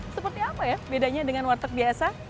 seperti apa ya bedanya dengan warteg biasa